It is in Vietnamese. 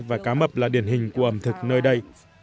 và cá mập là điển hình của ẩm thực nơi đây